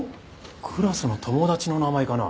クラスの友達の名前かな？